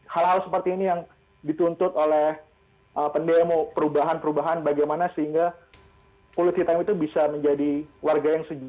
hal hal seperti ini yang dituntut oleh pendemo perubahan perubahan bagaimana sehingga kulit hitam itu bisa menjadi warga yang sejuk